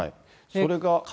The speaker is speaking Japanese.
それが。